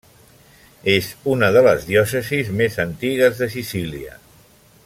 És una de les diòcesis més antigues de Sicília.